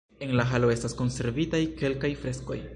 En la halo estas konservitaj kelkaj freskoj.